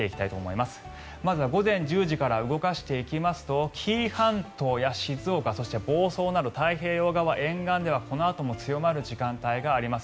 まずは午前１０時から動かしていきますと紀伊半島や静岡そして、房総など太平洋側沿岸ではこのあとも強まる時間帯があります。